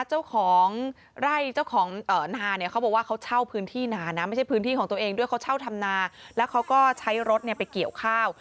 เจ้าของไร่เจ้าของนาเนี่ยเขาบอกว่าเขาเช่าพื้นที่นานะไม่ใช่พื้นที่ของตัวเองด้วยเขาเช่าทำนาแล้วเขาก็ใช้รถเนี่ยไปเกี่ยวข้าว